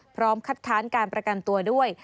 พร้อมคัดค้านการประกันตัวด้วย